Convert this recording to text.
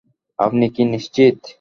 আপনি কি নিশ্চিত?